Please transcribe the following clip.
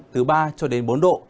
từ ba cho đến bốn độ